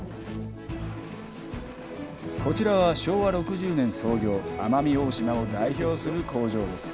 こちらは昭和６０年創業、奄美大島を代表する工場です。